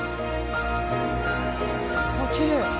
あっきれい。